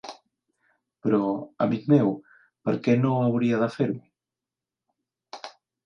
Però, amic meu, per què no hauria de fer-ho?